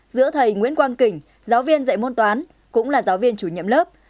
giữa thầy nguyễn quang kỉnh giáo viên dạy môn toán cũng là giáo viên chủ nhiệm lớp